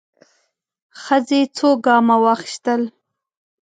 ښځې څو ګامه واخيستل.